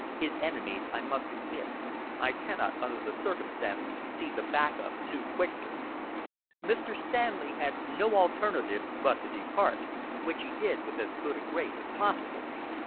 His enemies, I must admit, I cannot, under the circumstances, see the back of too quickly." Mr. Stanley had no alternative but to depart, which he did with as good a grace as possible.